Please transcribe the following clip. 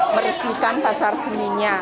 meresmikan pasar seninya